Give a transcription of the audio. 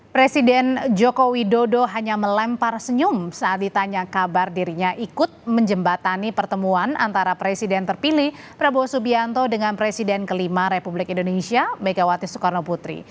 presiden joko widodo hanya melempar senyum saat ditanya kabar dirinya ikut menjembatani pertemuan antara presiden terpilih prabowo subianto dengan presiden kelima republik indonesia megawati soekarno putri